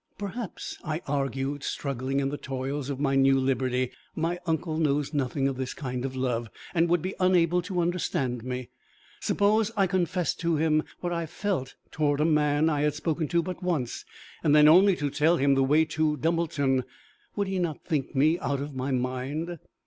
"Perhaps," I argued, struggling in the toils of my new liberty, "my uncle knows nothing of this kind of love, and would be unable to understand me! Suppose I confessed to him what I felt toward a man I had spoken to but once, and then only to tell him the way to Dumbleton, would he not think me out of my mind?"